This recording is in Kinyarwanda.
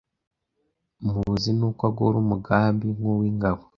Muzi n’uko agora umugambi nk’uw’ingabo